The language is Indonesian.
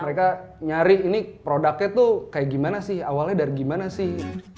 mereka nyari ini produknya tuh kayak gimana sih awalnya dari gimana sih